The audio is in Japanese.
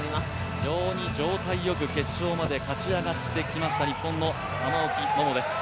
非常に状態よく決勝まで勝ち上がってきました、日本の玉置桃です。